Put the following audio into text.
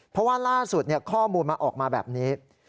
เพราะว่าล่าสุดข้อมูลมันออกมาแบบนี้